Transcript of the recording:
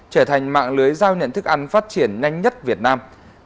trở thành mạng lưới giao nhận thức ăn phát triển nhanh nhất việt nam